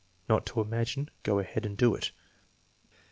"Not to imagine; go ahead and do it."